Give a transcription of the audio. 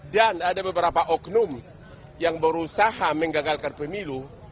dan ada beberapa oknum yang berusaha mengganggalkan pemilu